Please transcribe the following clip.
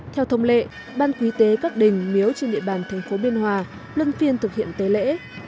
theo thông lệ ban quý tế các đình miếu trên địa bàn thành phố biên hòa lân phiên thực hiện tế lễ